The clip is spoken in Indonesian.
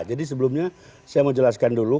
jadi sebelumnya saya mau jelaskan dulu